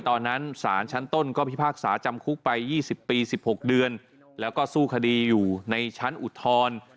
ตอนนั้นศาลชั้นต้นก็พิพากษาจำคุกไป๒๐ปี๑๖เดือนแล้วก็สู้คดีอยู่ในชั้นอุทธรณ์